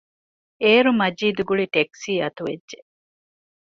އޭރު މަޖީދު ގުޅި ޓެކްސީ އަތުވެއްޖެ